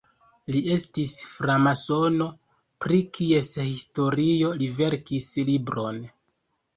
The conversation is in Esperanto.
Li estis framasono, pri kies historio li verkis libron.